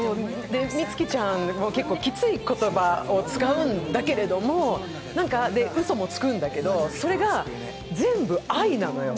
充希ちゃんもきつい言葉を使うんだけれども、うそもつくんだけど、それが全部愛なのよ。